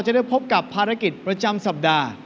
จะได้พบกับภารกิจประจำสัปดาห์